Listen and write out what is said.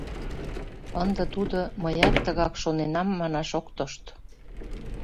Ынде тудо «мыят тыгак шоненам» манаш ок тошт».